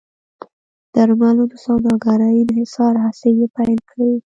درملو د سوداګرۍ انحصار هڅې یې پیل کړې.